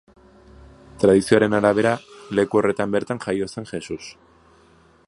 Tradizioaren arabera, leku horretan bertan jaio zen Jesus.